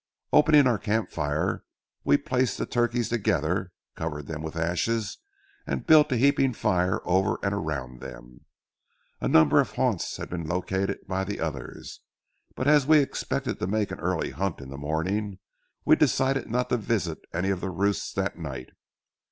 Opening our camp fire, we placed the turkeys together, covered them with ashes and built a heaping fire over and around them. A number of haunts had been located by the others, but as we expected to make an early hunt in the morning, we decided not to visit any of the roosts that night.